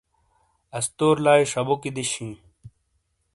استور لایئ شبوکی دیش ہی۔